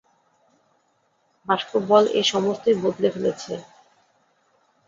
বাষ্পবল এ সমস্তই বদলে ফেলেছে।